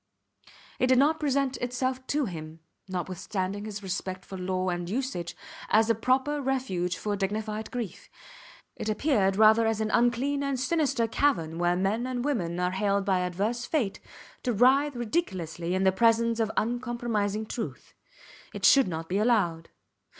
It did not present itself to him, notwithstanding his respect for law and usage, as a proper refuge for dignified grief. It appeared rather as an unclean and sinister cavern where men and women are haled by adverse fate to writhe ridiculously in the presence of uncompromising truth. It should not be allowed.